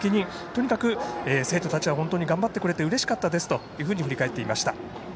とにかく生徒たちは頑張ってくれてうれしかったですと振り返っていました。